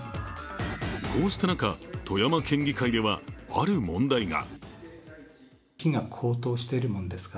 こうした中、富山県議会ではある問題が。